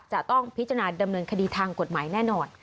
จะต้องพิจารณาดำเนินคดีทางกฎหมายแน่นอน